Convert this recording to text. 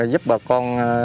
giúp bà con